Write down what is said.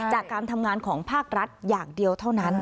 จากการทำงานของภาครัฐอย่างเดียวเท่านั้น